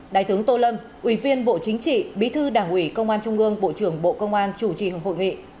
đại tướng tô lâm ủy viên bộ chính trị bí thư đảng ủy công an trung ương bộ trưởng bộ công an chủ trì hội nghị